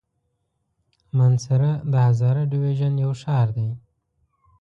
مانسهره د هزاره ډويژن يو ښار دی.